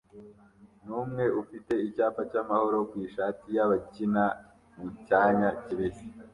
n'umwe ufite icyapa cy'amahoro ku ishati ye bakina mu cyanya kibisi